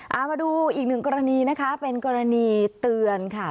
เอามาดูอีกหนึ่งกรณีนะคะเป็นกรณีเตือนค่ะ